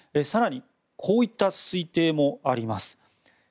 更にこういった推定もあります。